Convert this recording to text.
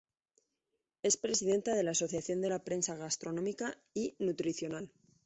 Es presidenta de la Asociación de la Prensa Gastronómica y Nutricional.